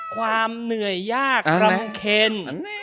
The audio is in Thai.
ความเหนื่อยยากรำเคน